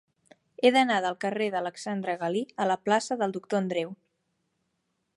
He d'anar del carrer d'Alexandre Galí a la plaça del Doctor Andreu.